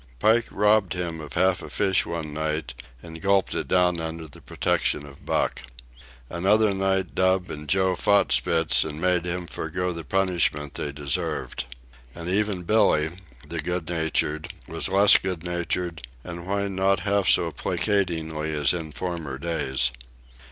Pike robbed him of half a fish one night, and gulped it down under the protection of Buck. Another night Dub and Joe fought Spitz and made him forego the punishment they deserved. And even Billee, the good natured, was less good natured, and whined not half so placatingly as in former days.